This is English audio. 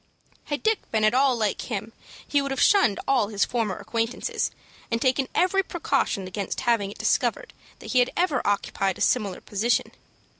Had Dick been at all like him he would have shunned all his former acquaintances, and taken every precaution against having it discovered that he had ever occupied a similar position.